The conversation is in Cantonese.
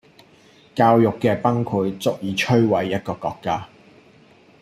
教育既崩潰足以摧毀一個國家